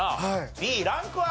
Ｂランクは？